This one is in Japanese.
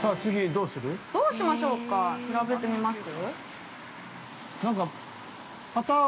◆どうしましょうか調べてみます？